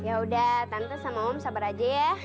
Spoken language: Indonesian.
yaudah tante sama om sabar aja ya